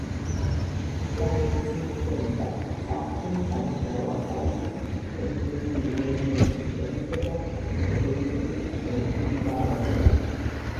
სამედიცინო ჩვენება: საყრდენ-სამოძრაო აპარატის, პერიფერიული ნერვული სისტემისა და გინეკოლოგიური ქრონიკული დაავადებანი.